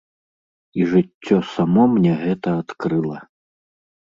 І жыццё само мне гэта адкрыла.